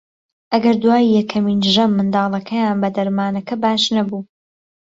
ئەگەر دوای یەکەمین ژەم منداڵەکەیان بە دەرمانەکە باش نەبوو